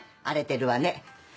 荒れてるわね。